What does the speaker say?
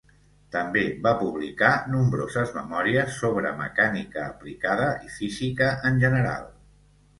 També va publicar nombroses memòries sobre mecànica aplicada i física en general.